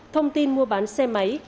thông tin mua bán xe máy